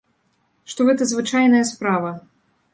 Што гэта звычайная справа.